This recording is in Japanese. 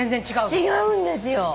違うんですよ！